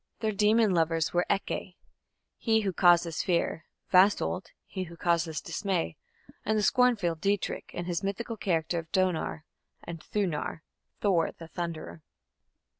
Their demon lovers were Ecke, "he who causes fear"; Vasolt, "he who causes dismay"; and the scornful Dietrich in his mythical character of Donar or Thunor (Thor), the thunderer.